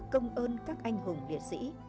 công ơn các anh hùng liệt sĩ